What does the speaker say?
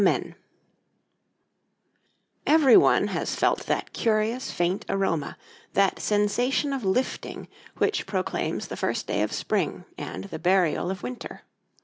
hose}] Everyone has felt that curious faint aroma, that sensation of lifting, which proclaims the first day of Spring and the burial of Winter.